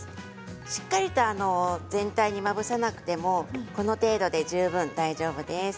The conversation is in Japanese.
しっかりと全体にまぶさなくてもこの程度で十分大丈夫です。